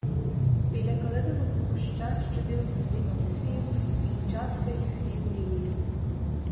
Біля калинового куща, що білим цвітом цвів, кінчався їх рідний ліс.